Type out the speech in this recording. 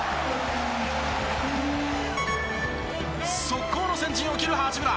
速攻の先陣を切る八村。